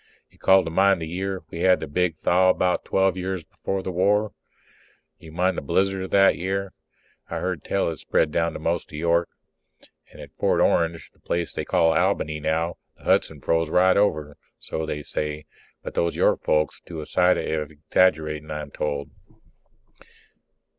You call to mind the year we had the big thaw, about twelve years before the war? You mind the blizzard that year? I heard tell it spread down most to York. And at Fort Orange, the place they call Albany now, the Hudson froze right over, so they say. But those York folks do a sight of exaggerating, I'm told.